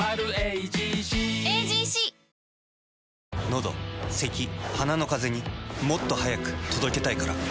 のどせき鼻のカゼにもっと速く届けたいから。